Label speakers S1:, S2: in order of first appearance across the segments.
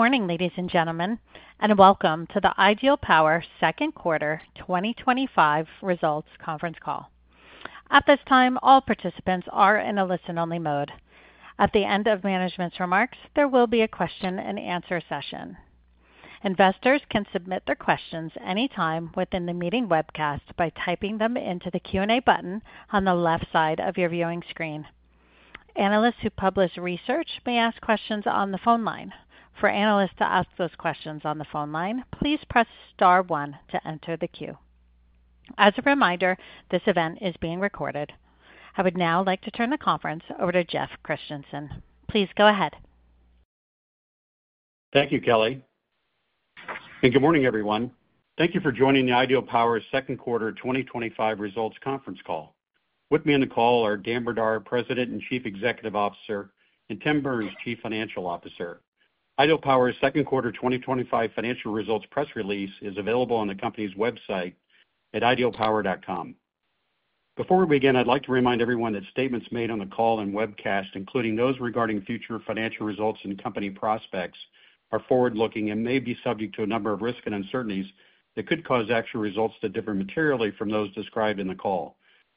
S1: Morning, ladies and gentlemen, and welcome to the Ideal Power Second Quarter 2025 Results Conference Call. At this time, all participants are in a listen-only mode. At the end of management's remarks, there will be a question and answer session. Investors can submit their questions anytime within the meeting webcast by typing them into the Q&A button on the left side of your viewing screen. Analysts who publish research may ask questions on the phone line. For analysts to ask those questions on the phone line, please press *1 to enter the queue. As a reminder, this event is being recorded. I would now like to turn the conference over to Jeff Christensen. Please go ahead.
S2: Thank you, Kelly. Good morning, everyone. Thank you for joining the Ideal Power Second Quarter 2025 Results Conference Call. With me on the call are Dan Brdar, President and Chief Executive Officer, and Tim Burns, Chief Financial Officer. Ideal Power's Second Quarter 2025 Financial Results Press Release is available on the company's website at idealpower.com. Before we begin, I'd like to remind everyone that statements made on the call and webcast, including those regarding future financial results and company prospects, are forward-looking and may be subject to a number of risks and uncertainties that could cause actual results to differ materially from those described in the call.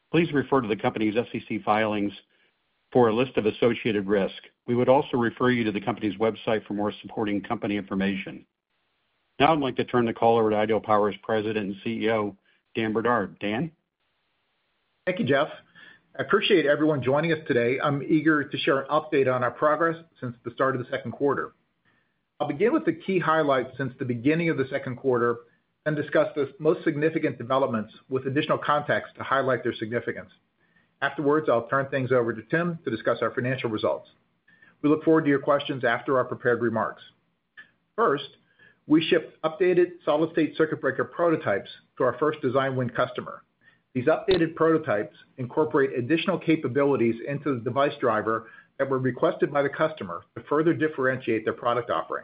S2: Please refer to the company's SEC filings for a list of associated risks. We would also refer you to the company's website for more supporting company information. Now I'd like to turn the call over to Ideal Power's President and CEO, Dan Brdar. Dan?
S3: Thank you, Jeff. I appreciate everyone joining us today. I'm eager to share an update on our progress since the start of the second quarter. I'll begin with the key highlights since the beginning of the second quarter and discuss the most significant developments with additional context to highlight their significance. Afterwards, I'll turn things over to Tim to discuss our financial results. We look forward to your questions after our prepared remarks. First, we shipped updated solid-state circuit breaker prototypes to our first design win customer. These updated prototypes incorporate additional capabilities into the device driver that were requested by the customer to further differentiate their product offering.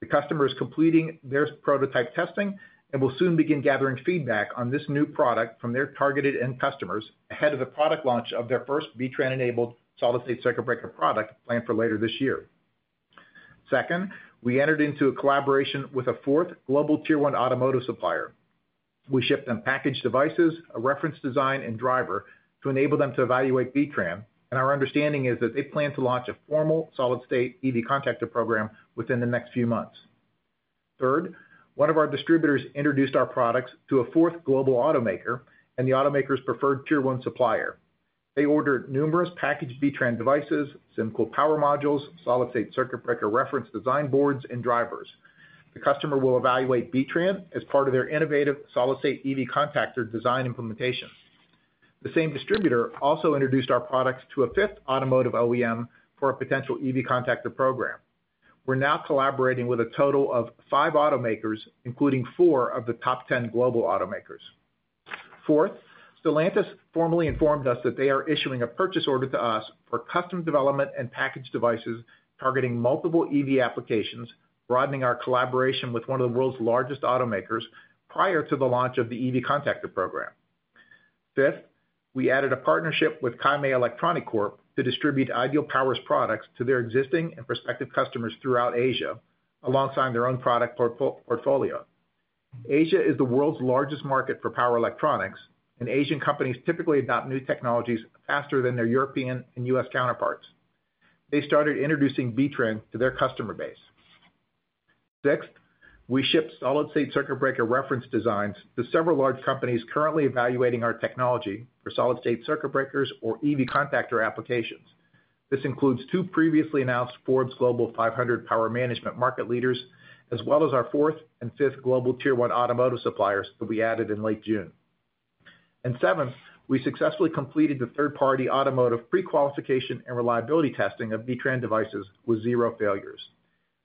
S3: The customer is completing their prototype testing and will soon begin gathering feedback on this new product from their targeted end customers ahead of the product launch of their first B-TRAN-enabled solid-state circuit breaker product planned for later this year. Second, we entered into a collaboration with a fourth global tier one automotive supplier. We shipped them packaged devices, a reference design, and driver to enable them to evaluate B-TRAN, and our understanding is that they plan to launch a formal solid-state EV contactor program within the next few months. Third, one of our distributors introduced our products to a fourth global automaker and the automaker's preferred tier one supplier. They ordered numerous packaged B-TRAN devices, SymCool IQ Intelligent Power modules, solid-state circuit breaker reference design boards, and drivers. The customer will evaluate B-TRAN as part of their innovative solid-state EV contactor design implementation. The same distributor also introduced our products to a fifth automotive OEM for a potential EV contactor program. We're now collaborating with a total of five automakers, including four of the top 10 global automakers. Fourth, Stellantis formally informed us that they are issuing a purchase order to us for custom development and packaged devices targeting multiple EV applications, broadening our collaboration with one of the world's largest automakers prior to the launch of the EV contactor program. Fifth, we added a partnership with Kaimei Electronic Corp to distribute Ideal Power's products to their existing and prospective customers throughout Asia, alongside their own product portfolio. Asia is the world's largest market for power electronics, and Asian companies typically adopt new technologies faster than their European and U.S. counterparts. They started introducing B-TRAN to their customer base. Sixth, we shipped solid-state circuit breaker reference designs to several large companies currently evaluating our technology for solid-state circuit breakers or EV contactor applications. This includes two previously announced Forbes Global 500 power management market leaders, as well as our fourth and fifth global tier one automotive suppliers that we added in late June. Seventh, we successfully completed the third-party automotive pre-qualification and reliability testing of B-TRAN devices with zero failures. We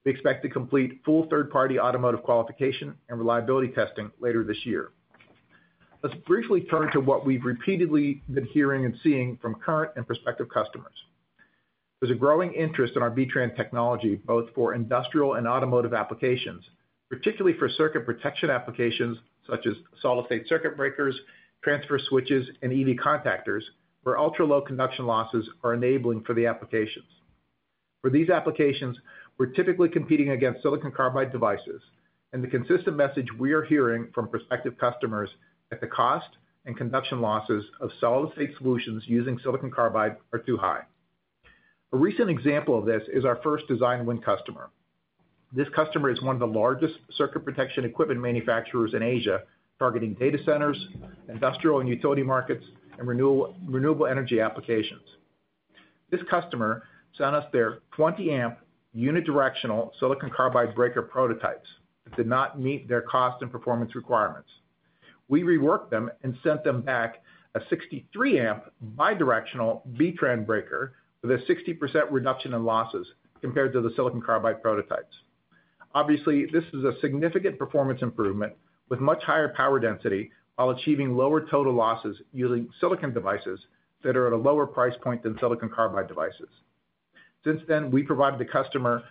S3: expect to complete full third-party automotive qualification and reliability testing later this year. Let's briefly turn to what we've repeatedly been hearing and seeing from current and prospective customers. There's a growing interest in our B-TRAN technology, both for industrial and automotive applications, particularly for circuit protection applications such as solid-state circuit breakers, transfer switches, and EV contactors, where ultra-low conduction losses are enabling for the applications. For these applications, we're typically competing against silicon carbide devices, and the consistent message we are hearing from prospective customers is that the cost and conduction losses of solid-state solutions using silicon carbide are too high. A recent example of this is our first design win customer. This customer is one of the largest circuit protection equipment manufacturers in Asia, targeting data centers, industrial and utility markets, and renewable energy applications. This customer sent us their 20 amp unidirectional silicon carbide breaker prototypes that did not meet their cost and performance requirements. We reworked them and sent them back a 63 amp bidirectional B-TRAN breaker with a 60% reduction in losses compared to the silicon carbide prototypes. Obviously, this is a significant performance improvement with much higher power density while achieving lower total losses using silicon devices that are at a lower price point than silicon carbide devices. Since then, we provide the customer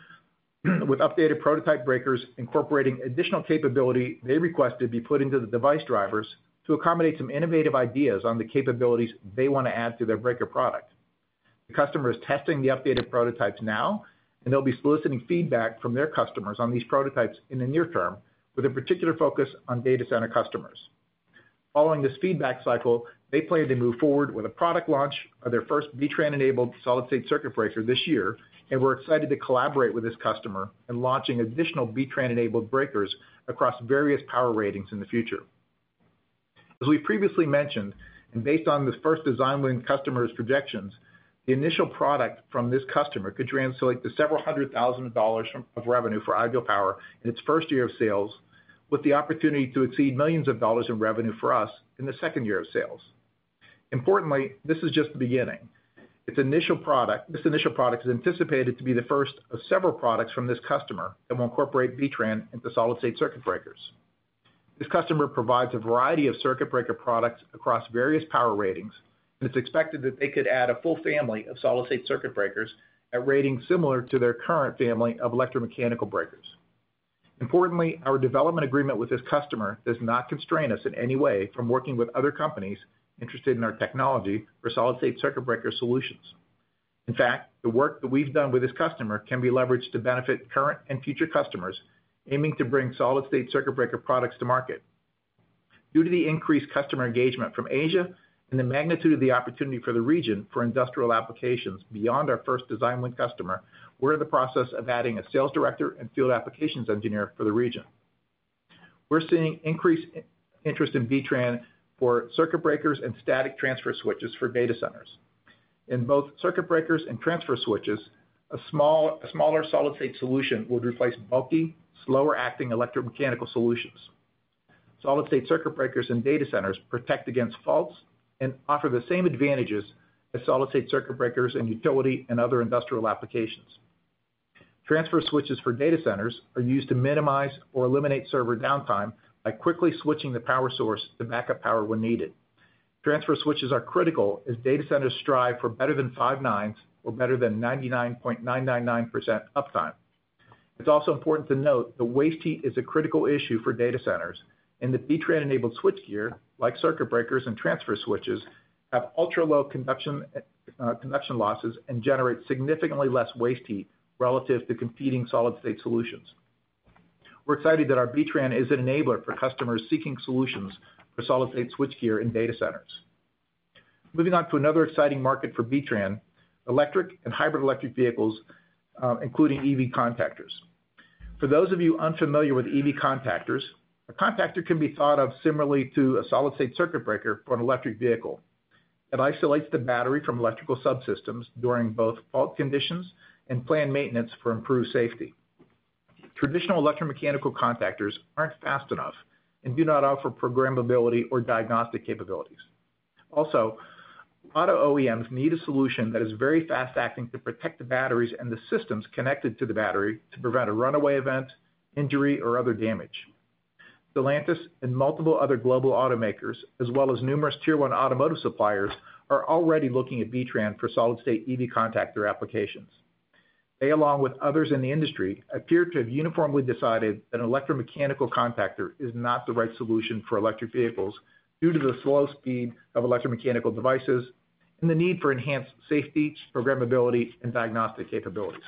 S3: with updated prototype breakers incorporating additional capability they requested be put into the device drivers to accommodate some innovative ideas on the capabilities they want to add to their breaker product. The customer is testing the updated prototypes now, and they'll be soliciting feedback from their customers on these prototypes in the near term, with a particular focus on data center customers. Following this feedback cycle, they plan to move forward with a product launch of their first B-TRAN-enabled solid-state circuit breaker this year, and we're excited to collaborate with this customer in launching additional B-TRAN-enabled breakers across various power ratings in the future. As we've previously mentioned, and based on the first design win customer's projections, the initial product from this customer could translate to several hundred thousand dollars of revenue for Ideal Power in its first year of sales, with the opportunity to exceed millions of dollars in revenue for us in the second year of sales. Importantly, this is just the beginning. This initial product is anticipated to be the first of several products from this customer that will incorporate B-TRAN into solid-state circuit breakers. This customer provides a variety of circuit breaker products across various power ratings, and it's expected that they could add a full family of solid-state circuit breakers at ratings similar to their current family of electromechanical breakers. Importantly, our development agreement with this customer does not constrain us in any way from working with other companies interested in our technology for solid-state circuit breaker solutions. In fact, the work that we've done with this customer can be leveraged to benefit current and future customers aiming to bring solid-state circuit breaker products to market. Due to the increased customer engagement from Asia and the magnitude of the opportunity for the region for industrial applications beyond our first design win customer, we're in the process of adding a Sales Director and Field Applications Engineer for the region. We're seeing increased interest in B-TRAN for circuit breakers and static transfer switches for data centers. In both circuit breakers and transfer switches, a smaller solid-state solution would replace bulky, slower-acting electromechanical solutions. Solid-state circuit breakers in data centers protect against faults and offer the same advantages as solid-state circuit breakers in utility and other industrial applications. Transfer switches for data centers are used to minimize or eliminate server downtime by quickly switching the power source to backup power when needed. Transfer switches are critical as data centers strive for better than five nines or better than 99.999% uptime. It's also important to note that waste heat is a critical issue for data centers, and the B-TRAN-enabled switchgear, like circuit breakers and transfer switches, have ultra-low conduction losses and generate significantly less waste heat relative to competing solid-state solutions. We're excited that our B-TRAN is an enabler for customers seeking solutions for solid-state switchgear in data centers. Moving on to another exciting market for B-TRAN: electric and hybrid electric vehicles, including EV contactors. For those of you unfamiliar with EV contactors, a contactor can be thought of similarly to a solid-state circuit breaker for an electric vehicle. It isolates the battery from electrical subsystems during both fault conditions and planned maintenance for improved safety. Traditional electromechanical contactors aren't fast enough and do not offer programmability or diagnostic capabilities. Also, auto OEMs need a solution that is very fast-acting to protect the batteries and the systems connected to the battery to prevent a runaway event, injury, or other damage. Stellantis and multiple other global automakers, as well as numerous tier one automotive suppliers, are already looking at B-TRAN for solid-state EV contactor applications. They, along with others in the industry, appear to have uniformly decided that an electromechanical contactor is not the right solution for electric vehicles due to the slow speed of electromechanical devices and the need for enhanced safety, programmability, and diagnostic capabilities.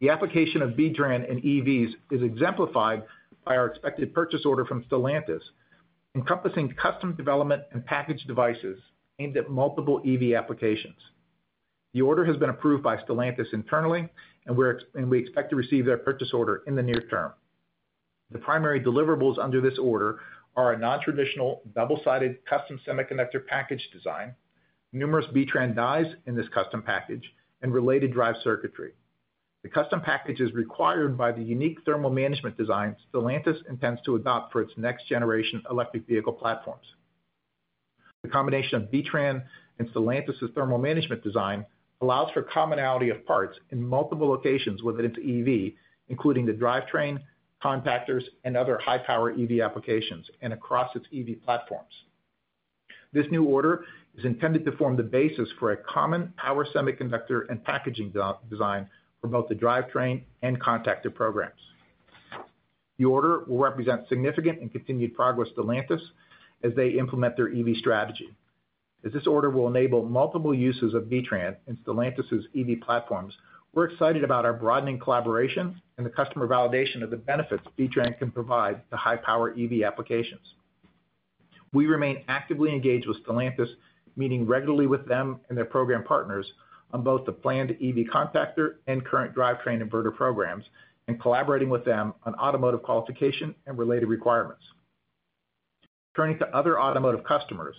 S3: The application of B-TRAN in EVs is exemplified by our expected purchase order from Stellantis, encompassing custom development and packaged devices aimed at multiple EV applications. The order has been approved by Stellantis internally, and we expect to receive their purchase order in the near term. The primary deliverables under this order are a non-traditional double-sided custom semiconductor package design, numerous B-TRAN dies in this custom package, and related drive circuitry. The custom package is required by the unique thermal management design Stellantis intends to adopt for its next-generation electric vehicle platforms. The combination of B-TRAN and Stellantis' thermal management design allows for commonality of parts in multiple locations within its EV, including the drivetrain, EV contactors, and other high-power EV applications and across its EV platforms. This new order is intended to form the basis for a common power semiconductor and packaging design for both the drivetrain and contactor programs. The order will represent significant and continued progress for Stellantis as they implement their EV strategy. As this order will enable multiple uses of B-TRAN in Stellantis' EV platforms, we're excited about our broadening collaboration and the customer validation of the benefits B-TRAN can provide to high-power EV applications. We remain actively engaged with Stellantis, meeting regularly with them and their program partners on both the planned EV contactor and current drivetrain inverter programs, and collaborating with them on automotive qualification and related requirements. Turning to other automotive customers,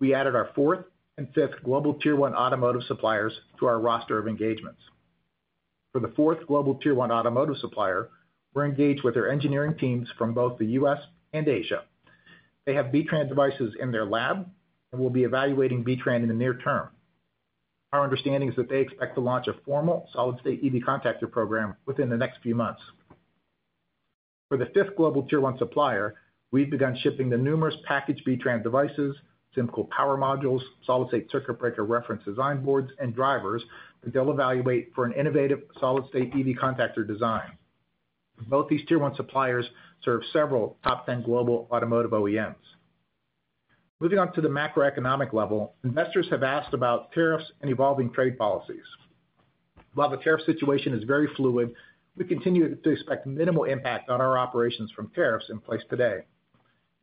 S3: we added our fourth and fifth global tier one automotive suppliers to our roster of engagements. For the fourth global tier one automotive supplier, we're engaged with their engineering teams from both the U.S. and Asia. They have B-TRAN devices in their lab and will be evaluating B-TRAN in the near term. Our understanding is that they expect to launch a formal solid-state EV contactor program within the next few months. For the fifth global tier one supplier, we've begun shipping the numerous packaged B-TRAN devices, SymCool IQ intelligent power modules, solid-state circuit breaker reference design boards, and drivers that they'll evaluate for an innovative solid-state EV contactor design. Both these tier one suppliers serve several top 10 global automotive OEMs. Moving on to the macroeconomic level, investors have asked about tariffs and evolving trade policies. While the tariff situation is very fluid, we continue to expect minimal impact on our operations from tariffs in place today.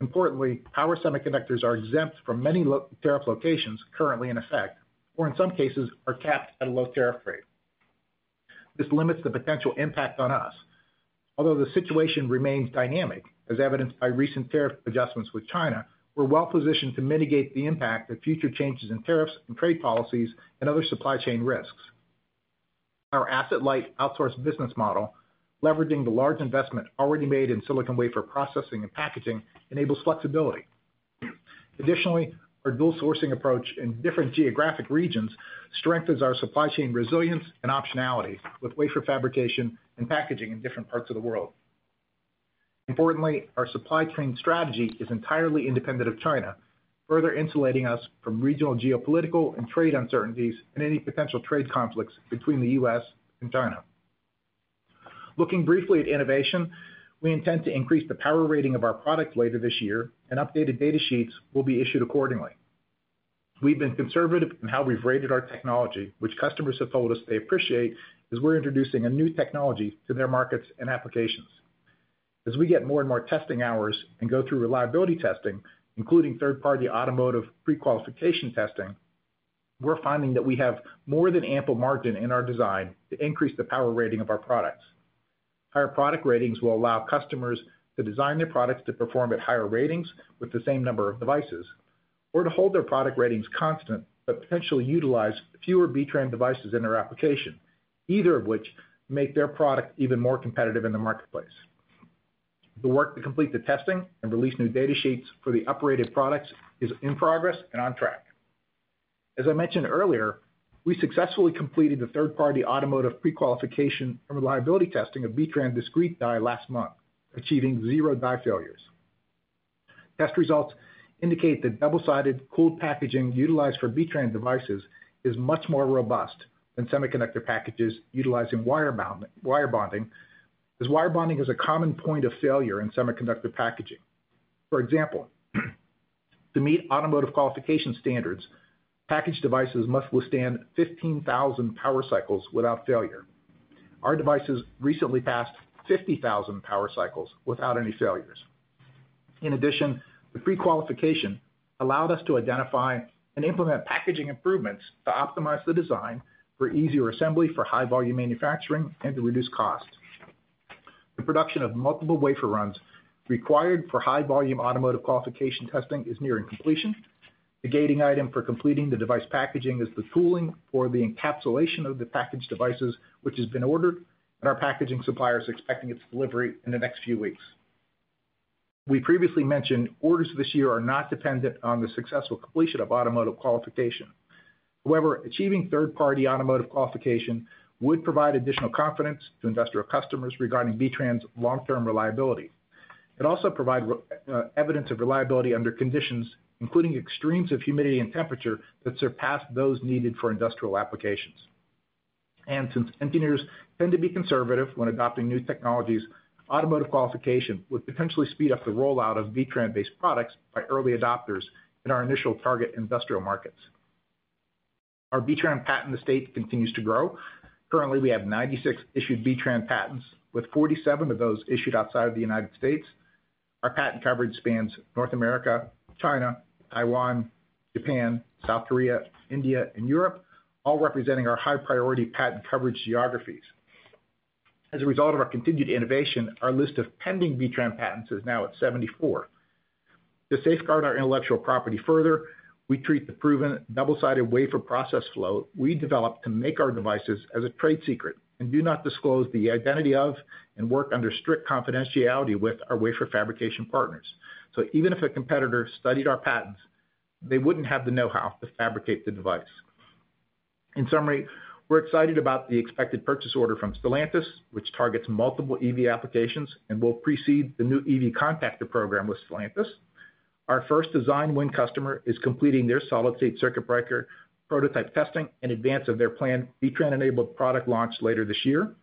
S3: Importantly, power semiconductors are exempt from many tariff locations currently in effect, or in some cases are capped at a low tariff rate. This limits the potential impact on us. Although the situation remains dynamic, as evidenced by recent tariff adjustments with China, we're well positioned to mitigate the impact of future changes in tariffs and trade policies and other supply chain risks. Our asset-light outsourced business model, leveraging the large investment already made in silicon wafer processing and packaging, enables flexibility. Additionally, our dual sourcing approach in different geographic regions strengthens our supply chain resilience and optionality with wafer fabrication and packaging in different parts of the world. Importantly, our supply chain strategy is entirely independent of China, further insulating us from regional geopolitical and trade uncertainties and any potential trade conflicts between the U.S. and China. Looking briefly at innovation, we intend to increase the power rating of our products later this year, and updated data sheets will be issued accordingly. We've been conservative in how we've rated our technology, which customers have told us they appreciate as we're introducing a new technology to their markets and applications. As we get more and more testing hours and go through reliability testing, including third-party automotive pre-qualification testing, we're finding that we have more than ample margin in our design to increase the power rating of our products. Higher product ratings will allow customers to design their products to perform at higher ratings with the same number of devices, or to hold their product ratings constant but potentially utilize fewer B-TRAN devices in their application, either of which make their product even more competitive in the marketplace. The work to complete the testing and release new data sheets for the uprated products is in progress and on track. As I mentioned earlier, we successfully completed the third-party automotive pre-qualification and reliability testing of B-TRAN discrete die last month, achieving zero die failures. Test results indicate that double-sided cooled packaging utilized for B-TRAN devices is much more robust than semiconductor packages utilizing wire bonding, as wire bonding is a common point of failure in semiconductor packaging. For example, to meet automotive qualification standards, packaged devices must withstand 15,000 power cycles without failure. Our devices recently passed 50,000 power cycles without any failures. In addition, the pre-qualification allowed us to identify and implement packaging improvements to optimize the design for easier assembly for high-volume manufacturing and to reduce cost. The production of multiple wafer runs required for high-volume automotive qualification testing is nearing completion. The gating item for completing the device packaging is the tooling or the encapsulation of the packaged devices, which has been ordered, and our packaging supplier is expecting its delivery in the next few weeks. We previously mentioned orders this year are not dependent on the successful completion of automotive qualification. However, achieving third-party automotive qualification would provide additional confidence to industrial customers regarding B-TRAN's long-term reliability. It also provides evidence of reliability under conditions, including extremes of humidity and temperature that surpass those needed for industrial applications. Since engineers tend to be conservative when adopting new technologies, automotive qualification would potentially speed up the rollout of B-TRAN-based products by early adopters in our initial target industrial markets. Our B-TRAN patent estate continues to grow. Currently, we have 96 issued B-TRAN patents, with 47 of those issued outside of the United States. Our patent coverage spans North America, China, Taiwan, Japan, South Korea, India, and Europe, all representing our high-priority patent coverage geographies. As a result of our continued innovation, our list of pending B-TRAN patents is now at 74. To safeguard our intellectual property further, we treat the proven double-sided wafer process flow we developed to make our devices as a trade secret and do not disclose the identity of and work under strict confidentiality with our wafer fabrication partners. Even if a competitor studied our patents, they wouldn't have the know-how to fabricate the device. In summary, we're excited about the expected purchase order from Stellantis, which targets multiple EV applications and will precede the new EV contactor program with Stellantis. Our first design win customer is completing their solid-state circuit breaker prototype testing in advance of their planned B-TRAN-enabled product launch later this year.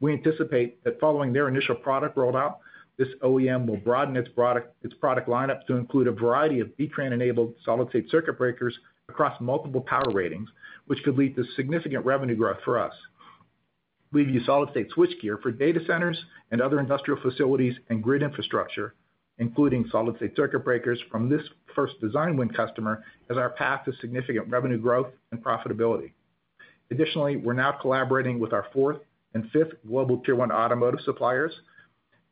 S3: We anticipate that following their initial product rollout, this OEM will broaden its product lineup to include a variety of B-TRAN-enabled solid-state circuit breakers across multiple power ratings, which could lead to significant revenue growth for us. We've used solid-state switchgear for data centers and other industrial facilities and grid infrastructure, including solid-state circuit breakers from this first design win customer, as our path to significant revenue growth and profitability. Additionally, we're now collaborating with our fourth and fifth global tier one automotive suppliers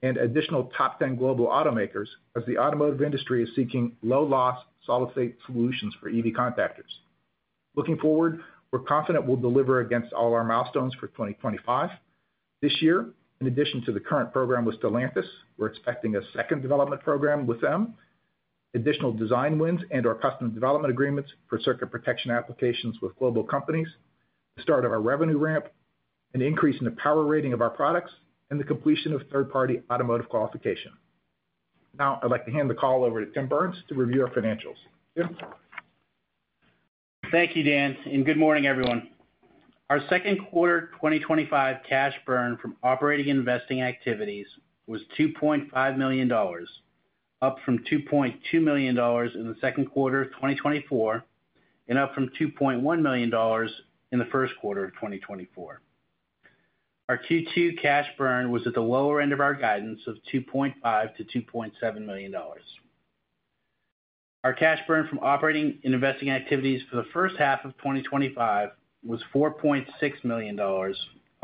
S3: and additional top 10 global automakers, as the automotive industry is seeking low-loss solid-state solutions for EV contactors. Looking forward, we're confident we'll deliver against all our milestones for 2025. This year, in addition to the current program with Stellantis, we're expecting a second development program with them, additional design wins, and/or custom development agreements for circuit protection applications with global companies, the start of our revenue ramp, an increase in the power rating of our products, and the completion of third-party automotive qualification. Now, I'd like to hand the call over to Tim Burns to review our financials. Tim?
S4: Thank you, Dan, and good morning, everyone. Our second quarter 2025 cash burn from operating and investing activities was $2.5 million, up from $2.2 million in the second quarter of 2024, and up from $2.1 million in the first quarter of 2024. Our Q2 cash burn was at the lower end of our guidance of $2.5 million - $2.7 million. Our cash burn from operating and investing activities for the first half of 2025 was $4.6 million,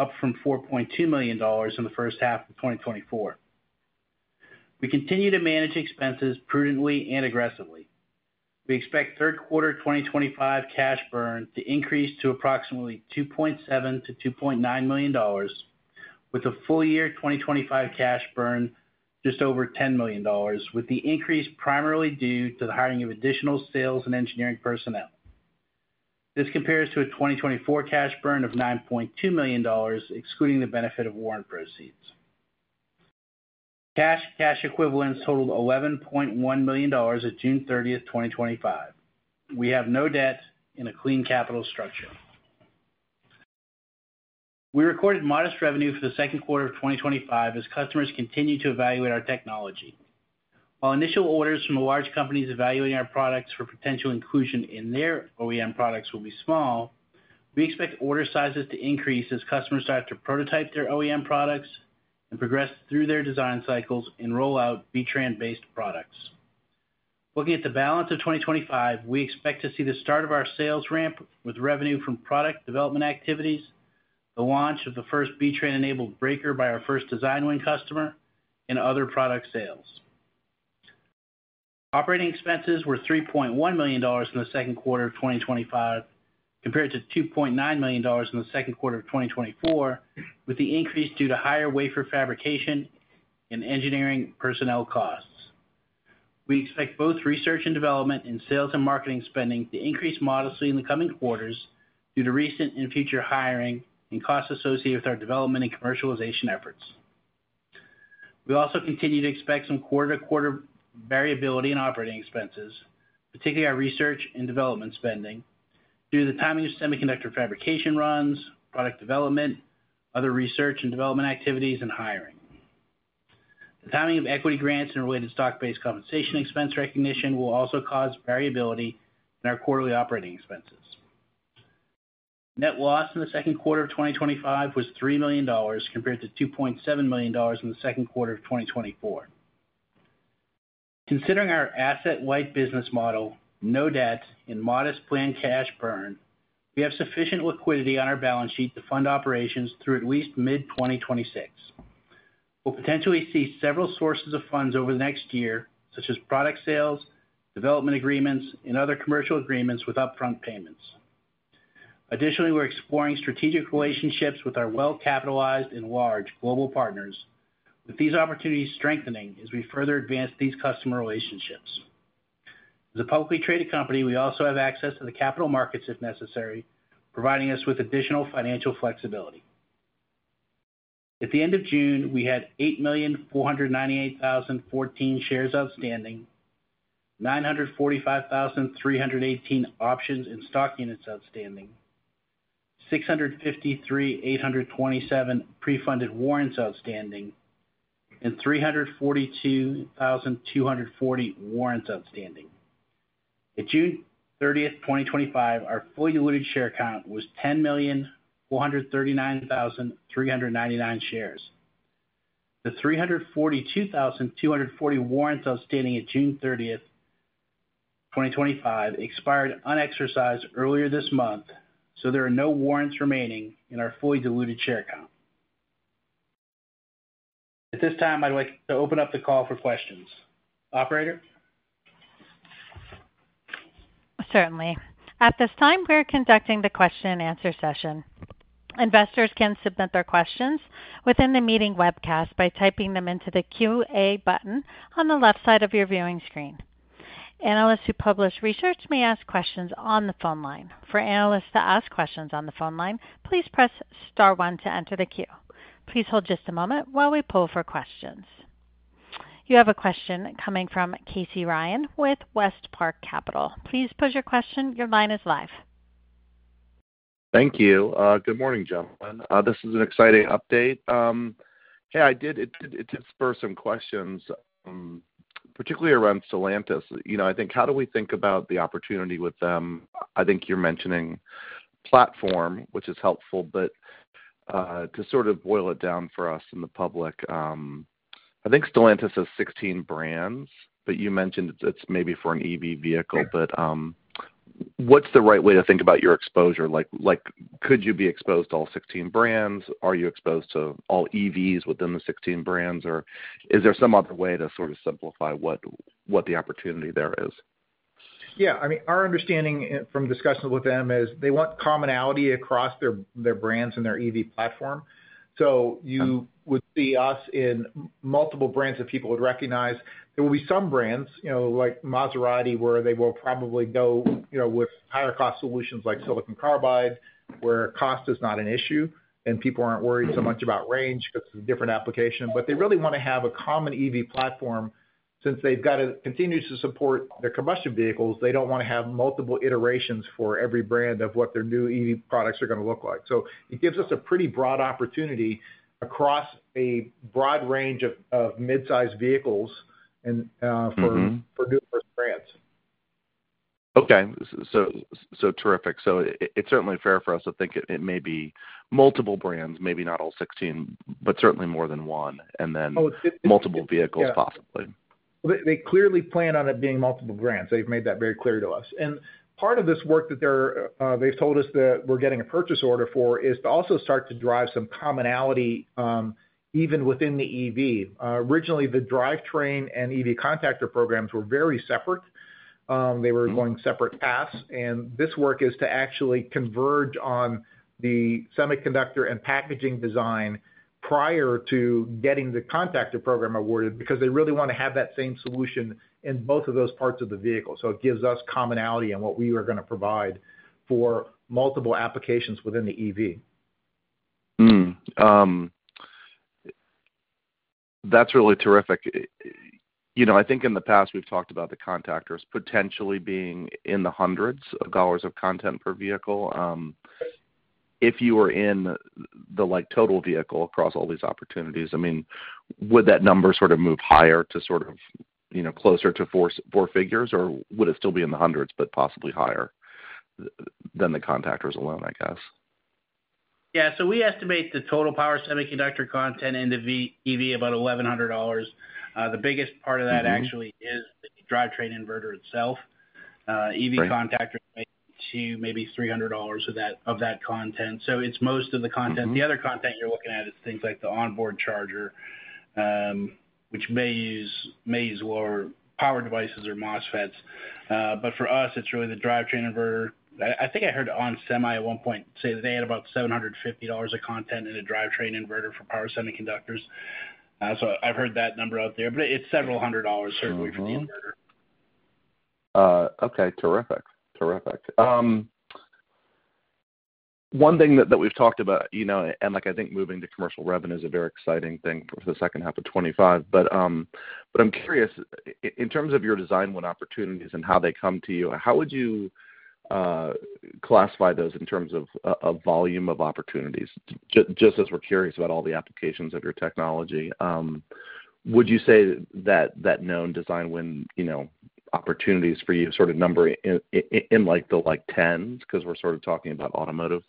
S4: up from $4.2 million in the first half of 2024. We continue to manage expenses prudently and aggressively. We expect third quarter 2025 cash burn to increase to approximately $2.7 million - $2.9 million, with a full year 2025 cash burn just over $10 million, with the increase primarily due to the hiring of additional sales and engineering personnel. This compares to a 2024 cash burn of $9.2 million, excluding the benefit of warrant proceeds. Cash equivalents totaled $11.1 million at June 30, 2025. We have no debt and a clean capital structure. We recorded modest revenue for the second quarter of 2025 as customers continue to evaluate our technology. While initial orders from large companies evaluating our products for potential inclusion in their OEM products will be small, we expect order sizes to increase as customers start to prototype their OEM products and progress through their design cycles and roll out B-TRAN-based products. Looking at the balance of 2025, we expect to see the start of our sales ramp with revenue from product development activities, the launch of the first B-TRAN-enabled breaker by our first design win customer, and other product sales. Operating expenses were $3.1 million in the second quarter of 2025 compared to $2.9 million in the second quarter of 2024, with the increase due to higher wafer fabrication and engineering personnel costs. We expect both research and development and sales and marketing spending to increase modestly in the coming quarters due to recent and future hiring and costs associated with our development and commercialization efforts. We also continue to expect some quarter-to-quarter variability in operating expenses, particularly our research and development spending, due to the timing of semiconductor fabrication runs, product development, other research and development activities, and hiring. The timing of equity grants and related stock-based compensation expense recognition will also cause variability in our quarterly operating expenses. Net loss in the second quarter of 2025 was $3 million compared to $2.7 million in the second quarter of 2024. Considering our asset-light business model, no debt, and modest planned cash burn, we have sufficient liquidity on our balance sheet to fund operations through at least mid-2026. We'll potentially see several sources of funds over the next year, such as product sales, development agreements, and other commercial agreements with upfront payments. Additionally, we're exploring strategic relationships with our well-capitalized and large global partners, with these opportunities strengthening as we further advance these customer relationships. As a publicly traded company, we also have access to the capital markets if necessary, providing us with additional financial flexibility. At the end of June, we had 8,498,014 shares outstanding, 945,318 options and stock units outstanding, 653,827 pre-funded warrants outstanding, and 342,240 warrants outstanding. At June 30th, 2025, our fully diluted share count was 10,439,399 shares. The 342,240 warrants outstanding at June 30th, 2025, expired unexercised earlier this month, so there are no warrants remaining in our fully diluted share count. At this time, I'd like to open up the call for questions. Operator?
S1: Certainly. At this time, we're conducting the question and answer session. Investors can submit their questions within the meeting webcast by typing them into the Q&A button on the left side of your viewing screen. Analysts who publish research may ask questions on the phone line. For analysts to ask questions on the phone line, please press *1 to enter the queue. Please hold just a moment while we pull for questions. You have a question coming from Casey Ryan with WestPark Capital. Please pose your question. Your line is live.
S5: Thank you. Good morning, gentlemen. This is an exciting update. It did spur some questions, particularly around Stellantis. I think how do we think about the opportunity with them? I think you're mentioning a platform, which is helpful, but to sort of boil it down for us in the public, I think Stellantis has 16 brands, but you mentioned it's maybe for an EV vehicle. What's the right way to think about your exposure? Could you be exposed to all 16 brands? Are you exposed to all EVs within the 16 brands, or is there some other way to sort of simplify what the opportunity there is?
S3: Yeah, I mean, our understanding from discussions with them is they want commonality across their brands and their EV platform. You would see us in multiple brands that people would recognize. There will be some brands, like Maserati, where they will probably go with higher-cost solutions like silicon carbide, where cost is not an issue, and people aren't worried so much about range because of the different application. They really want to have a common EV platform since they've got to continue to support their combustion vehicles. They don't want to have multiple iterations for every brand of what their new EV products are going to look like. It gives us a pretty broad opportunity across a broad range of midsize vehicles and for numerous brands.
S5: It's certainly fair for us to think it may be multiple brands, maybe not all 16, but certainly more than one, and then multiple vehicles, possibly.
S3: They clearly plan on it being multiple brands. They've made that very clear to us. Part of this work that they've told us that we're getting a purchase order for is to also start to drive some commonality, even within the EV. Originally, the drivetrain and EV contactor programs were very separate. They were going separate paths. This work is to actually converge on the semiconductor and packaging design prior to getting the contactor program awarded because they really want to have that same solution in both of those parts of the vehicle. It gives us commonality in what we are going to provide for multiple applications within the EV.
S5: That's really terrific. I think in the past we've talked about the EV contactors potentially being in the hundreds of dollars of content per vehicle. If you were in the total vehicle across all these opportunities, would that number sort of move higher to closer to four figures, or would it still be in the hundreds, but possibly higher than the EV contactors alone, I guess?
S4: Yeah, we estimate the total power semiconductor content in the EV is about $1,100. The biggest part of that actually is the drivetrain inverter itself. EV contactors make up maybe $300 of that content, so it's most of the content. The other content you're looking at is things like the onboard charger, which may use more power devices or MOSFETs. For us, it's really the drivetrain inverter. I think I heard On Semi at one point say that they had about $750 of content in a drivetrain inverter for power semiconductors. I've heard that number out there, but it's several hundred dollars certainly for the inverter.
S5: Okay, terrific. One thing that we've talked about, you know, I think moving to commercial revenue is a very exciting thing for the second half of 2025. I'm curious, in terms of your design win opportunities and how they come to you, how would you classify those in terms of volume of opportunities, just as we're curious about all the applications of your technology? Would you say that known design win opportunities for you sort of number in the tens because we're sort of talking about automotive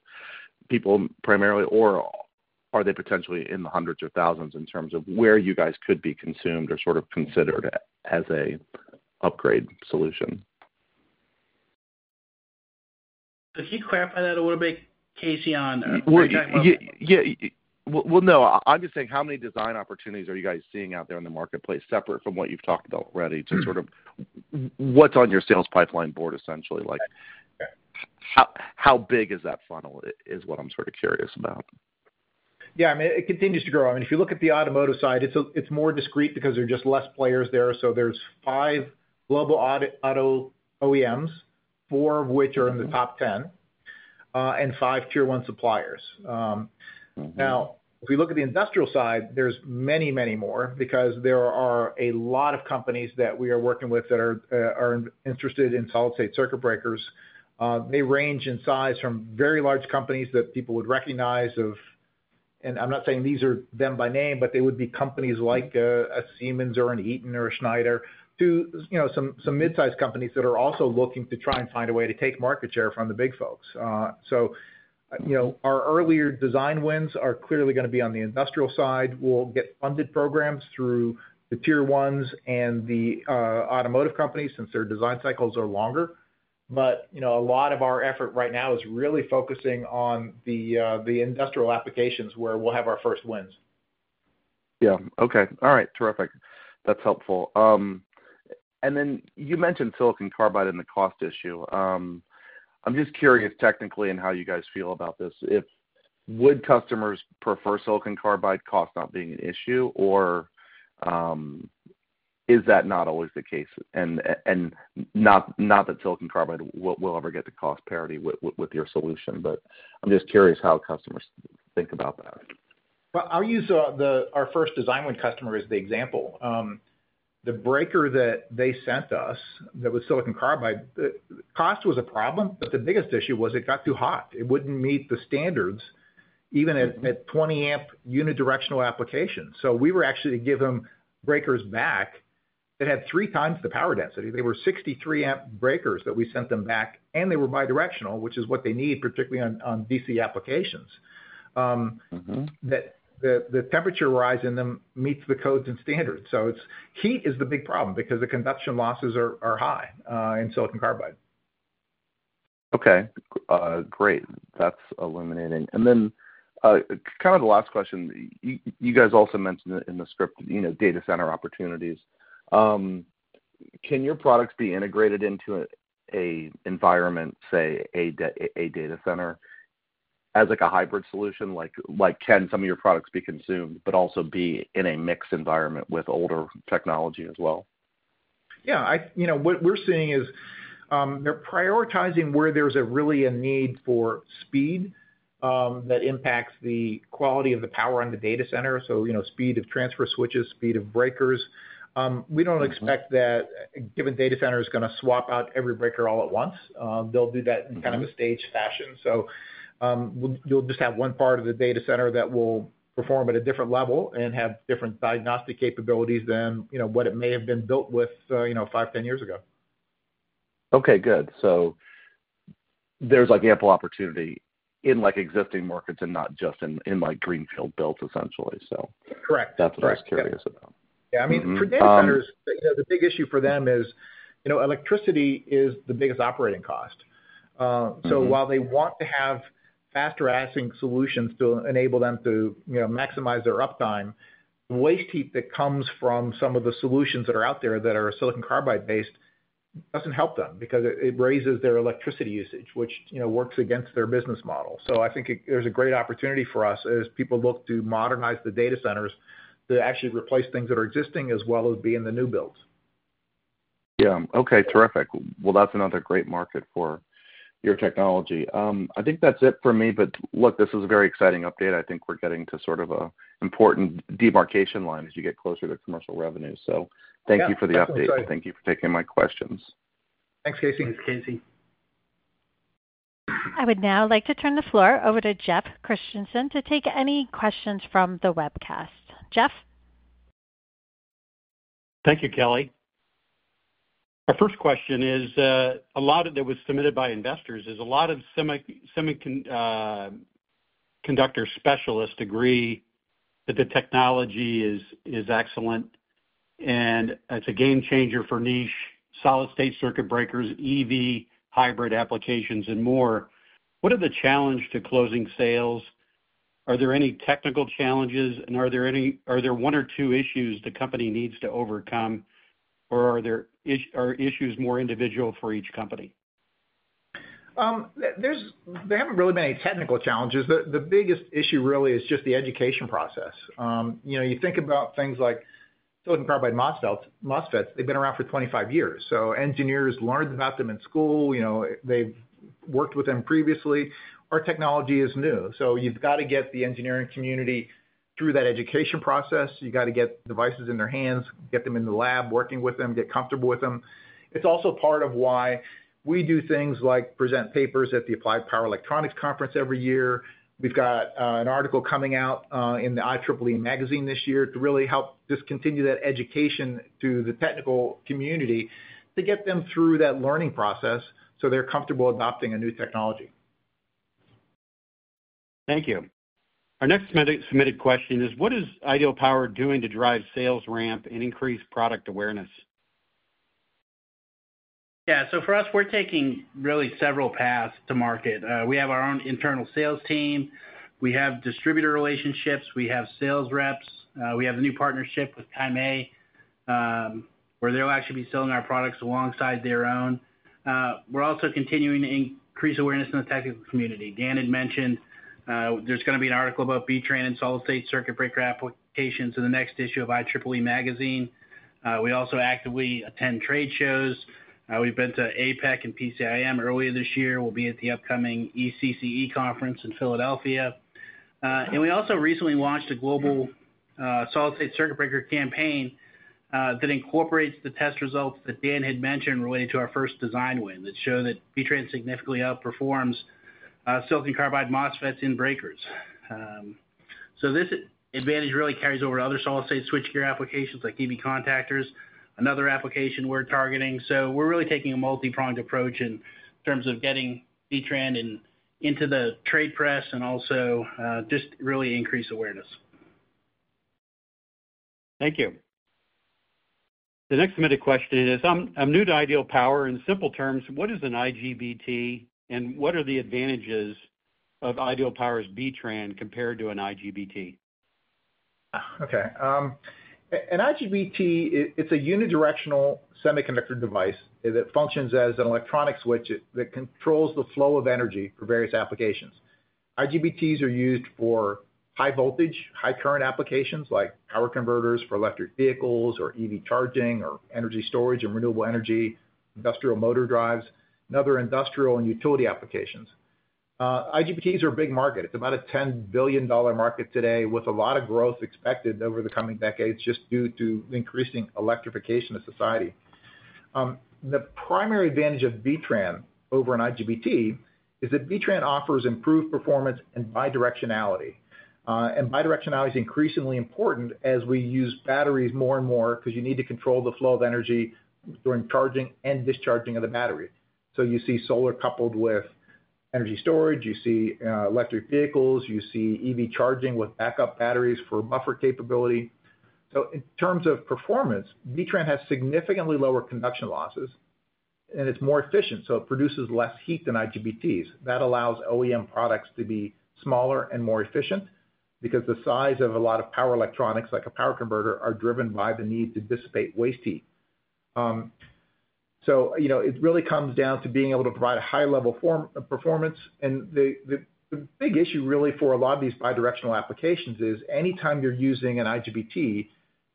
S5: people primarily, or are they potentially in the hundreds or thousands in terms of where you guys could be consumed or considered as an upgrade solution?
S4: If you clarify that, it would make Casey Ryan on.
S5: How many design opportunities are you guys seeing out there in the marketplace separate from what you've talked about already to sort of what's on your sales pipeline board, essentially? Like how big is that funnel is what I'm sort of curious about.
S3: Yeah, I mean, it continues to grow. If you look at the automotive side, it's more discreet because there's just less players there. There's five global auto OEMs, four of which are in the top 10, and five tier one suppliers. If we look at the industrial side, there's many, many more because there are a lot of companies that we are working with that are interested in solid-state circuit breakers. They range in size from very large companies that people would recognize, and I'm not saying these are them by name, but they would be companies like a Siemens or an Eaton or a Schneider, to some midsize companies that are also looking to try and find a way to take market share from the big folks. Our earlier design wins are clearly going to be on the industrial side. We'll get funded programs through the tier ones and the automotive companies since their design cycles are longer. A lot of our effort right now is really focusing on the industrial applications where we'll have our first wins.
S5: Okay. All right, terrific. That's helpful. You mentioned silicon carbide and the cost issue. I'm just curious technically in how you guys feel about this. Would customers prefer silicon carbide cost not being an issue, or is that not always the case? Not that silicon carbide will ever get to cost parity with your solution, but I'm just curious how customers think about that.
S3: Our first design win customer is the example. The breaker that they sent us that was silicon carbide, the cost was a problem, but the biggest issue was it got too hot. It wouldn't meet the standards, even at 20 amp unidirectional applications. We were actually able to give them breakers back that had three times the power density. They were 63 amp breakers that we sent them back, and they were bi-directional, which is what they need, particularly on DC applications. The temperature rise in them meets the codes and standards. Heat is the big problem because the conduction losses are high in silicon carbide.
S5: Okay, great. That's illuminating. You guys also mentioned in the script, you know, data center opportunities. Can your products be integrated into an environment, say, a data center as like a hybrid solution? Can some of your products be consumed, but also be in a mixed environment with older technology as well?
S3: Yeah, you know, what we're seeing is they're prioritizing where there's really a need for speed that impacts the quality of the power on the data center. You know, speed of transfer switches, speed of breakers. We don't expect that given data center is going to swap out every breaker all at once. They'll do that in kind of a staged fashion. You'll just have one part of the data center that will perform at a different level and have different diagnostic capabilities than, you know, what it may have been built with, you know, five, 10 years ago.
S5: Okay, good. There's ample opportunity in existing markets and not just in greenfield builds, essentially.
S3: Correct.
S5: That's what I was curious about.
S3: Yeah, I mean, for data centers, the big issue for them is, you know, electricity is the biggest operating cost. While they want to have faster-assing solutions to enable them to, you know, maximize their uptime, the waste heat that comes from some of the solutions that are out there that are silicon carbide-based doesn't help them because it raises their electricity usage, which, you know, works against their business model. I think there's a great opportunity for us as people look to modernize the data centers to actually replace things that are existing as well as be in the new builds.
S5: Okay, terrific. That's another great market for your technology. I think that's it for me, but look, this is a very exciting update. I think we're getting to sort of an important demarcation line as you get closer to commercial revenue. Thank you for the update. Thank you for taking my questions.
S3: Thanks, Casey.
S4: Thanks, Casey.
S1: I would now like to turn the floor over to Jeff Christensen to take any questions from the webcast. Jeff?
S2: Thank you, Kelly. Our first question is a lot of it was submitted by investors. A lot of semiconductor specialists agree that the technology is excellent, and it's a game changer for niche solid-state circuit breakers, EV, hybrid applications, and more. What are the challenges to closing sales? Are there any technical challenges, and are there one or two issues the company needs to overcome, or are the issues more individual for each company?
S3: There haven't really been any technical challenges. The biggest issue really is just the education process. You know, you think about things like silicon carbide MOSFETs. They've been around for 25 years, so engineers learned about them in school. You know, they've worked with them previously. Our technology is new, so you've got to get the engineering community through that education process. You've got to get devices in their hands, get them in the lab, working with them, get comfortable with them. It's also part of why we do things like present papers at the Applied Power Electronics Conference every year. We've got an article coming out in the IEEE magazine this year to really help just continue that education to the technical community to get them through that learning process so they're comfortable adopting a new technology.
S2: Thank you. Our next submitted question is, what is Ideal Power doing to drive sales ramp and increase product awareness?
S4: Yeah, for us, we're taking really several paths to market. We have our own internal sales team, we have distributor relationships, we have sales reps, and we have the new partnership with Kaimei Electronic Corp, where they'll actually be selling our products alongside their own. We're also continuing to increase awareness in the technical community. Dan had mentioned there's going to be an article about B-TRAN and solid-state circuit breaker applications in the next issue of IEEE magazine. We also actively attend trade shows. We've been to APEC and PCIM earlier this year, and we'll be at the upcoming ECCE conference in Philadelphia. We also recently launched a global solid-state circuit breaker campaign that incorporates the test results that Dan had mentioned related to our first design win that show that B-TRAN significantly outperforms silicon carbide MOSFETs in breakers. This advantage really carries over to other solid-state switchgear applications like EV contactors, another application we're targeting. We're really taking a multi-pronged approach in terms of getting B-TRAN into the trade press and also just really increase awareness.
S2: Thank you. The next submitted question is, I'm new to Ideal Power. In simple terms, what is an IGBT and what are the advantages of Ideal Power's B-TRAN compared to an IGBT?
S3: Okay. An IGBT, it's a unidirectional semiconductor device that functions as an electronic switch that controls the flow of energy for various applications. IGBTs are used for high voltage, high current applications like power converters for electric vehicles or EV charging or energy storage and renewable energy, industrial motor drives, and other industrial and utility applications. IGBTs are a big market. It's about a $10 billion market today with a lot of growth expected over the coming decades just due to the increasing electrification of society. The primary advantage of B-TRAN over an IGBT is that B-TRAN offers improved performance and bi-directionality. Bi-directionality is increasingly important as we use batteries more and more because you need to control the flow of energy during charging and discharging of the battery. You see solar coupled with energy storage. You see electric vehicles. You see EV charging with backup batteries for buffer capability. In terms of performance, B-TRAN has significantly lower conduction losses, and it's more efficient. It produces less heat than IGBTs. That allows OEM products to be smaller and more efficient because the size of a lot of power electronics, like a power converter, are driven by the need to dissipate waste heat. It really comes down to being able to provide a high level performance. The big issue really for a lot of these bi-directional applications is anytime you're using an IGBT,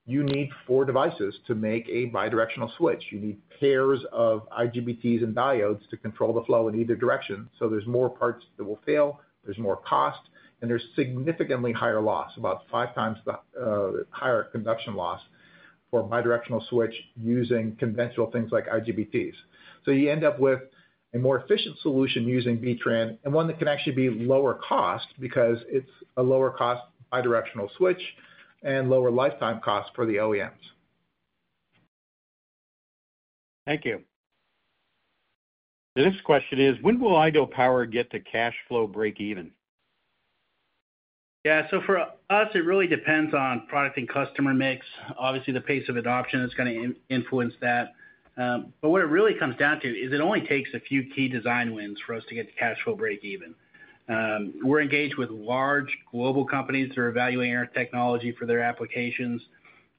S3: you need four devices to make a bi-directional switch. You need pairs of IGBTs and diodes to control the flow in either direction. There are more parts that will fail. There's more cost, and there's significantly higher loss, about five times the higher conduction loss for a bi-directional switch using conventional things like IGBTs. You end up with a more efficient solution using B-TRAN and one that can actually be lower cost because it's a lower cost bi-directional switch and lower lifetime costs for the OEMs.
S2: Thank you. The next question is, when will Ideal Power get the cash flow break even?
S4: For us, it really depends on product and customer mix. Obviously, the pace of adoption is going to influence that. What it really comes down to is it only takes a few key design wins for us to get the cash flow break even. We're engaged with large global companies that are evaluating our technology for their applications.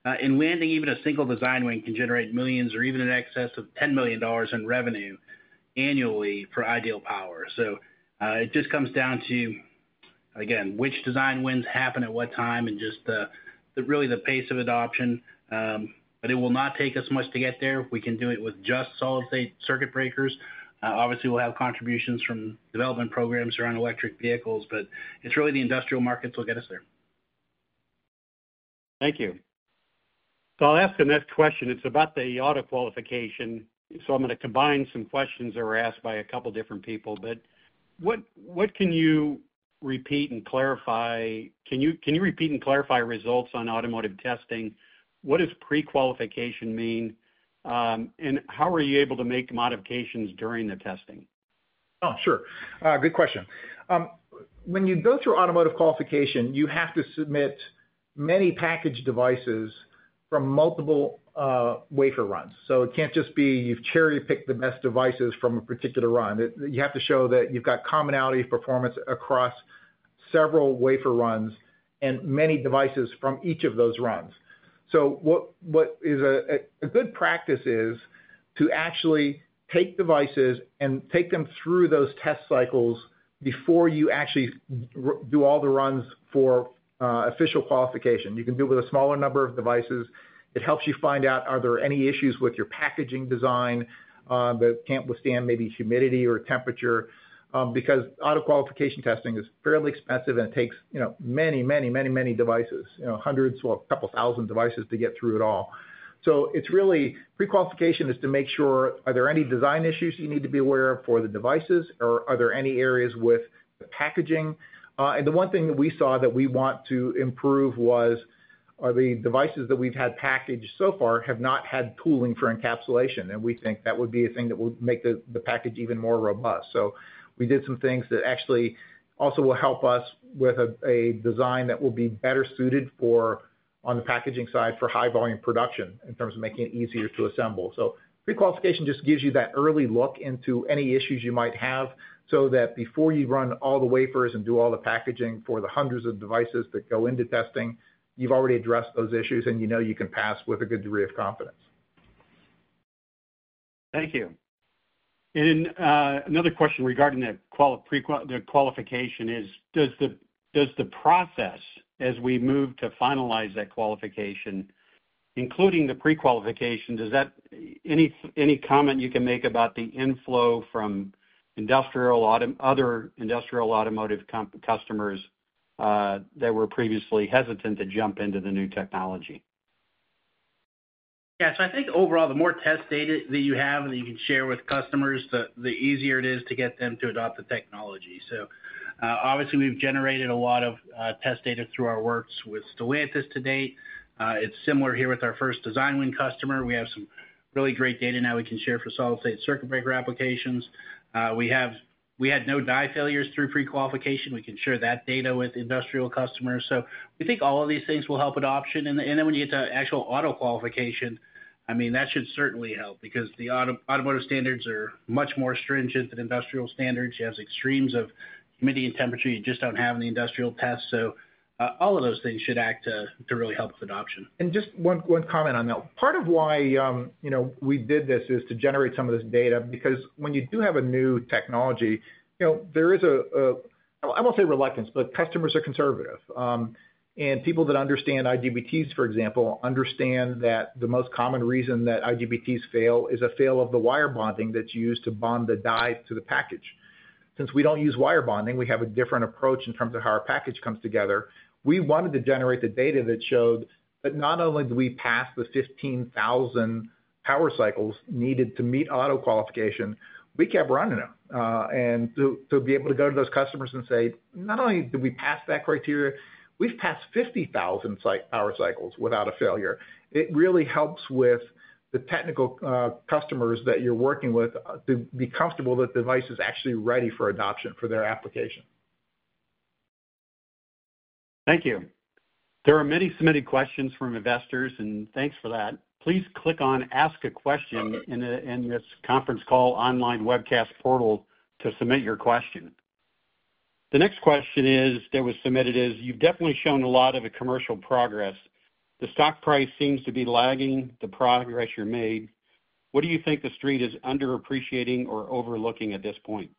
S4: Landing even a single design win can generate millions or even in excess of $10 million in revenue annually for Ideal Power. It just comes down to, again, which design wins happen at what time and really the pace of adoption. It will not take us much to get there. We can do it with just solid-state circuit breakers. Obviously, we'll have contributions from development programs around electric vehicles, but it's really the industrial markets that will get us there.
S2: Thank you. I'll ask the next question. It's about the auto qualification. I'm going to combine some questions that were asked by a couple of different people. What can you repeat and clarify? Can you repeat and clarify results on automotive testing? What does pre-qualification mean? How are you able to make modifications during the testing?
S3: Oh, sure. Good question. When you build your automotive qualification, you have to submit many packaged devices from multiple wafer runs. It can't just be you've cherry-picked the best devices from a particular run. You have to show that you've got commonality of performance across several wafer runs and many devices from each of those runs. What is a good practice is to actually take devices and take them through those test cycles before you actually do all the runs for official qualification. You can do it with a smaller number of devices. It helps you find out are there any issues with your packaging design that can't withstand maybe humidity or temperature because auto qualification testing is fairly expensive and it takes many, many, many, many devices, hundreds, well, a couple thousand devices to get through it all. It's really pre-qualification to make sure are there any design issues you need to be aware of for the devices or are there any areas with the packaging. The one thing that we saw that we want to improve was the devices that we've had packaged so far have not had tooling for encapsulation. We think that would be a thing that will make the package even more robust. We did some things that actually also will help us with a design that will be better suited for on the packaging side for high volume production in terms of making it easier to assemble. Pre-qualification just gives you that early look into any issues you might have so that before you run all the wafers and do all the packaging for the hundreds of devices that go into testing, you've already addressed those issues and you know you can pass with a good degree of confidence.
S2: Thank you. Another question regarding the qualification is, does the process as we move to finalize that qualification, including the pre-qualification, is there any comment you can make about the inflow from other industrial automotive customers that were previously hesitant to jump into the new technology?
S4: Yeah, I think overall the more test data that you have and that you can share with customers, the easier it is to get them to adopt the technology. Obviously, we've generated a lot of test data through our works with Stellantis to date. It's similar here with our first design win customer. We have some really great data now we can share for solid-state circuit breaker applications. We had no die failures through pre-qualification. We can share that data with industrial customers. We think all of these things will help adoption. When you get to actual auto qualification, that should certainly help because the automotive standards are much more stringent than industrial standards. You have extremes of humidity and temperature you just don't have in the industrial tests. All of those things should act to really help with adoption.
S3: Part of why we did this is to generate some of this data because when you do have a new technology, there is a, I won't say reluctance, but customers are conservative. People that understand IGBTs, for example, understand that the most common reason that IGBTs fail is a fail of the wire bonding that's used to bond the die to the package. Since we don't use wire bonding, we have a different approach in terms of how our package comes together. We wanted to generate the data that showed that not only did we pass the 15,000 power cycles needed to meet auto qualification, we kept running it. To be able to go to those customers and say, not only did we pass that criteria, we've passed 50,000 power cycles without a failure. It really helps with the technical customers that you're working with to be comfortable that the device is actually ready for adoption for their application.
S2: Thank you. There are many submitted questions from investors, and thanks for that. Please click on Ask a Question in this conference call online webcast portal to submit your question. The next question that was submitted is, you've definitely shown a lot of commercial progress. The stock price seems to be lagging the progress you've made. What do you think the street is underappreciating or overlooking at this point?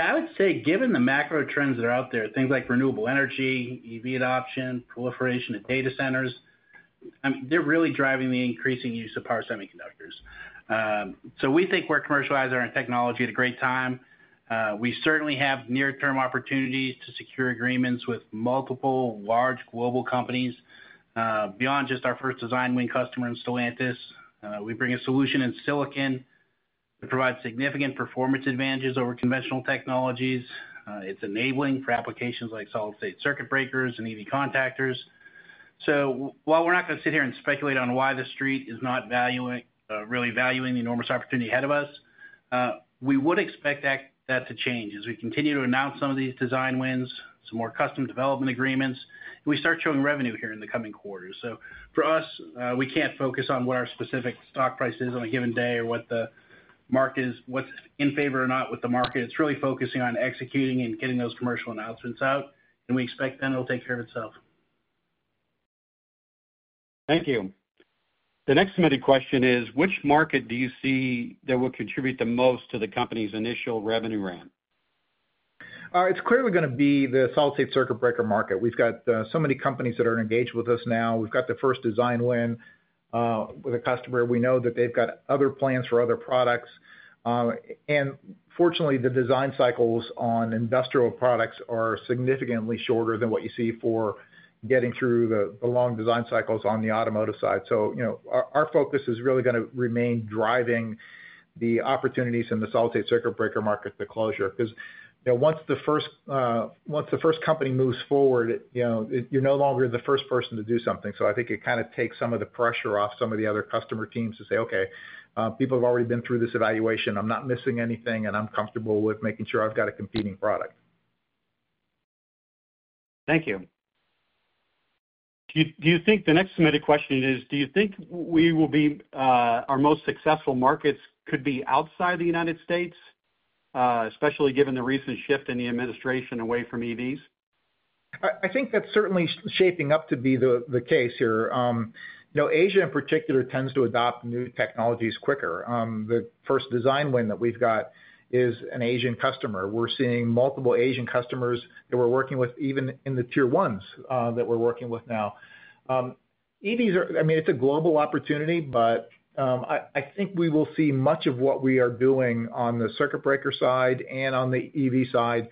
S4: I would say given the macro trends that are out there, things like renewable energy, EV adoption, proliferation of data centers, they're really driving the increasing use of power semiconductors. We think we're commercializing our technology at a great time. We certainly have near-term opportunities to secure agreements with multiple large global companies. Beyond just our first design win customer in Stellantis, we bring a solution in silicon that provides significant performance advantages over conventional technologies. It's enabling for applications like solid-state circuit breakers and EV contactors. While we're not going to sit here and speculate on why the street is not really valuing the enormous opportunity ahead of us, we would expect that to change as we continue to announce some of these design wins, some more custom development agreements, and we start showing revenue here in the coming quarters. For us, we can't focus on what our specific stock price is on a given day or what the market is, what's in favor or not with the market. It's really focusing on executing and getting those commercial announcements out, and we expect then it'll take care of itself.
S2: Thank you. The next submitted question is, which market do you see that will contribute the most to the company's initial revenue ramp?
S3: It's clearly going to be the solid-state circuit breaker market. We've got so many companies that are engaged with us now. We've got the first design win with a customer. We know that they've got other plans for other products. Fortunately, the design cycles on industrial products are significantly shorter than what you see for getting through the long design cycles on the automotive side. Our focus is really going to remain driving the opportunities in the solid-state circuit breaker market to closure because, once the first company moves forward, you're no longer the first person to do something. I think it kind of takes some of the pressure off some of the other customer teams to say, okay, people have already been through this evaluation. I'm not missing anything, and I'm comfortable with making sure I've got a competing product.
S2: Thank you. Do you think the next submitted question is, do you think we will be our most successful markets could be outside the United States?, especially given the recent shift in the administration away from EVs?
S3: I think that's certainly shaping up to be the case here. You know, Asia in particular tends to adopt new technologies quicker. The first design win that we've got is an Asian customer. We're seeing multiple Asian customers that we're working with, even in the tier ones that we're working with now. EVs are, I mean, it's a global opportunity, but I think we will see much of what we are doing on the circuit breaker side and on the EV side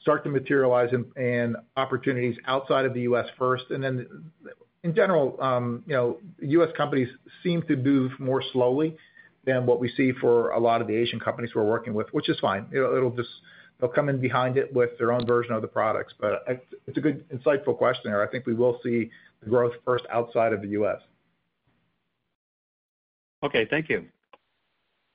S3: start to materialize in opportunities outside of the U.S. first. In general, you know, U.S. companies seem to move more slowly than what we see for a lot of the Asian companies we're working with, which is fine. They'll come in behind it with their own version of the products. It's a good, insightful question here. I think we will see the growth first outside of the U.S.
S2: Okay, thank you.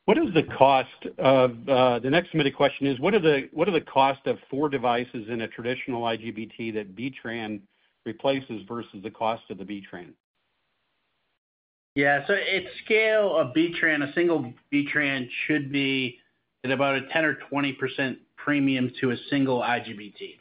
S2: What is the cost of the next submitted question is, what are the costs of four devices in a traditional IGBT that B-TRAN replaces versus the cost of the B-TRAN?
S4: Yeah, at scale of B-TRAN, a single B-TRAN should be at about a 10% or 20% premium to a single IGBT.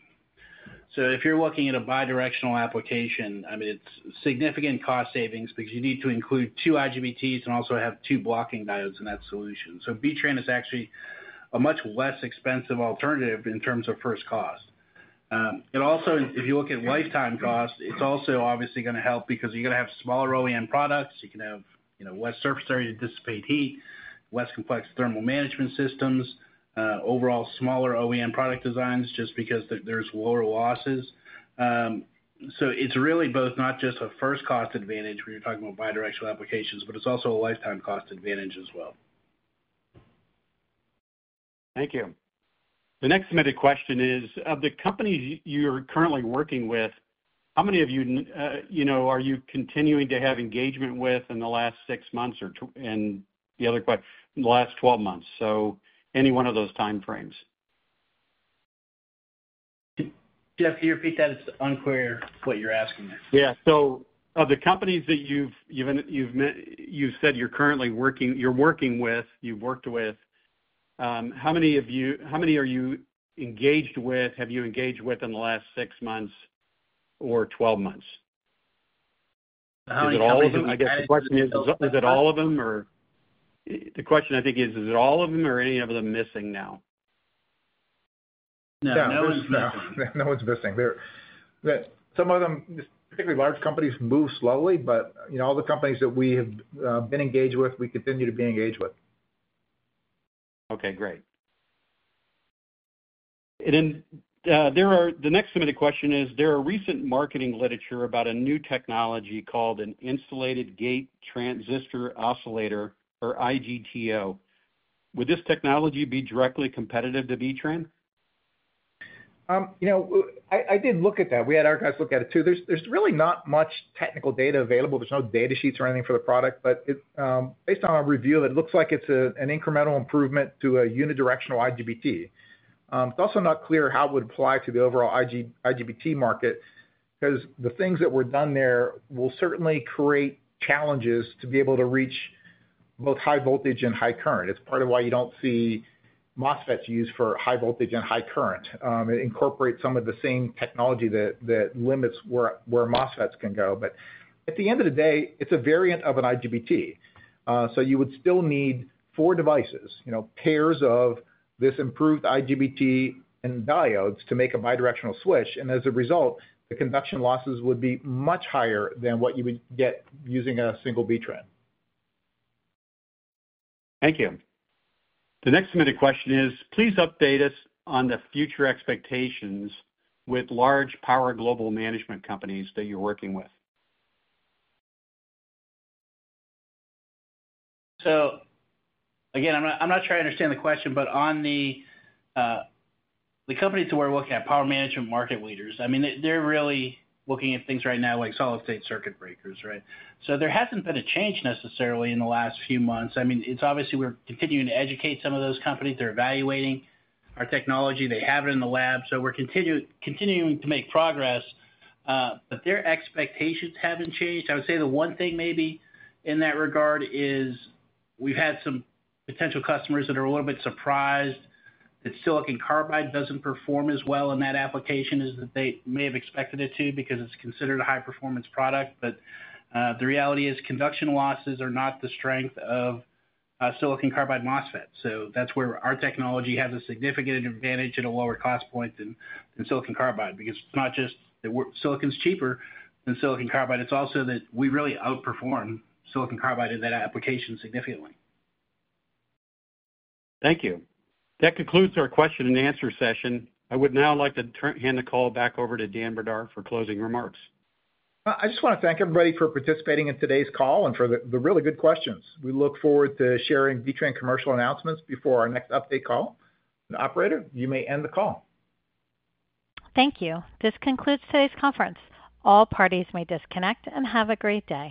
S4: If you're looking at a bi-directional application, it's significant cost savings because you need to include two IGBTs and also have two blocking diodes in that solution. B-TRAN is actually a much less expensive alternative in terms of first cost. If you look at lifetime cost, it's also obviously going to help because you're going to have smaller OEM products. You can have less surface area to dissipate heat, less complex thermal management systems, overall smaller OEM product designs just because there's lower losses. It's really both not just a first cost advantage when you're talking about bi-directional applications, but it's also a lifetime cost advantage as well.
S2: Thank you. The next submitted question is, of the companies you're currently working with, how many of you are you continuing to have engagement with in the last six months or in the other question, the last 12 months? Any one of those time frames?
S4: Jeff, can you repeat that? It's unclear what you're asking there.
S2: Of the companies that you've said you're currently working with, you've worked with, how many are you engaged with, have you engaged with in the last six months or 12 months? Is it all of them? I guess the question is, is it all of them or the question I think is, is it all of them or any of them missing now?
S3: Yeah, no one's missing. Some of them, particularly large companies, move slowly, but all the companies that we have been engaged with, we continue to be engaged with.
S2: Okay, great. The next submitted question is, there are recent marketing literature about a new technology called an insulated gate transistor oscillator or IGTO. Would this technology be directly competitive to B-TRAN?
S3: You know, I did look at that. We had our guys look at it too. There's really not much technical data available. There's no data sheets or anything for the product, but based on our review of it, it looks like it's an incremental improvement to a unidirectional IGBT. It's also not clear how it would apply to the overall IGBT market because the things that were done there will certainly create challenges to be able to reach both high voltage and high current. It's part of why you don't see MOSFETs used for high voltage and high current. It incorporates some of the same technology that limits where MOSFETs can go. At the end of the day, it's a variant of an IGBT. You would still need four devices, pairs of this improved IGBT and diodes to make a bi-directional switch. As a result, the conduction losses would be much higher than what you would get using a single B-TRAN.
S2: Thank you. The next submitted question is, please update us on the future expectations with large power global management companies that you're working with.
S4: I'm not sure I understand the question, but on the companies that we're looking at, power management market leaders, they're really looking at things right now like solid-state circuit breakers, right? There hasn't been a change necessarily in the last few months. It's obviously we're continuing to educate some of those companies. They're evaluating our technology. They have it in the lab. We're continuing to make progress, but their expectations haven't changed. I would say the one thing maybe in that regard is we've had some potential customers that are a little bit surprised that silicon carbide doesn't perform as well in that application as they may have expected it to because it's considered a high-performance product. The reality is conduction losses are not the strength of silicon carbide MOSFETs. That's where our technology has a significant advantage at a lower cost point than silicon carbide because it's not just that silicon is cheaper than silicon carbide. It's also that we really outperform silicon carbide in that application significantly.
S2: Thank you. That concludes our question and answer session. I would now like to turn the call back over to Dan Brdar for closing remarks.
S3: I just want to thank everybody for participating in today's call and for the really good questions. We look forward to sharing B-TRAN commercial announcements before our next update call. Operator, you may end the call.
S1: Thank you. This concludes today's conference. All parties may disconnect and have a great day.